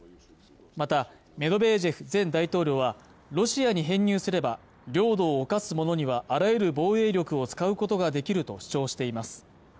またメドベージェフ前大統領はロシアに編入すれば領土を侵す者にはあらゆる防衛力を使うことができると主張しています